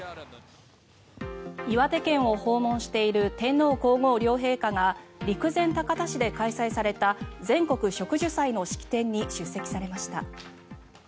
岩手県を訪問している天皇・皇后両陛下が陸前高田市で開催された全国植樹祭の式典に出席されました。